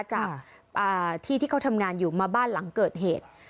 จากที่ที่เขาทำงานอยู่มาบ้านหลังเกิดเหตุ